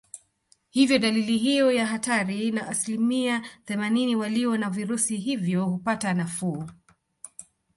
Hivyo dalili hiyo ya hatari na asilimia themanini walio na virusi hivyo hupata nafuu